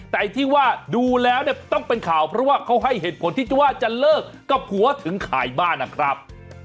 แต่ไอ้ที่ว่าดูแล้วเนี่ยต้องเป็นข่าวเพราะว่าเขาให้เหตุผลที่ว่าจะเลิกกับผัวถึงขายบ้านนะครับ